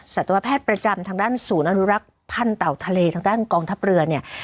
สัตวแพทย์ประจำทางด้านศูนย์อนุรักษ์พันธ์เต่าทะเลทางด้านกองทัพเรือเนี่ย